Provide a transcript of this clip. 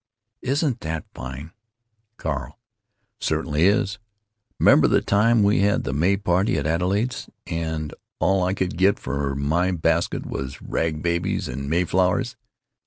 Isn't that fine?" Carl: "Certainly is.... 'Member the time we had the May party at Adelaide's, and all I could get for my basket was rag babies and May flowers?